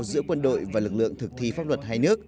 giữa quân đội và lực lượng thực thi pháp luật hai nước